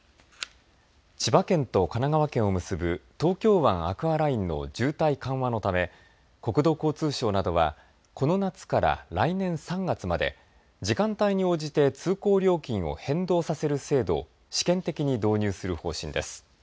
千葉県と神奈川県を結ぶ東京湾アクアラインの渋滞緩和のため国土交通省などはこの夏から来年３月まで時間帯に応じて通行料金を変動させる制度を試験的に導入する方針です。